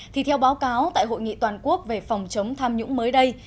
thì theo báo cáo tại hội nghị toàn quốc về phòng chống tham nhũng mới đây